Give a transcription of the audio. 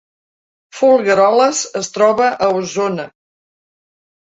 Folgueroles es troba a Osona